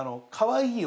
いいよ。